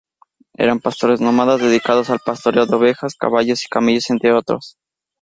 Eran pastores nómadas dedicados al pastoreo de ovejas, caballos y camellos entre otros.